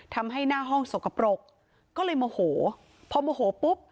ทำให้หน้าห้องสกปรกก็เลยโมโหพอโมโหปุ๊บ